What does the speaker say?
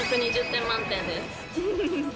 １２０点満点です。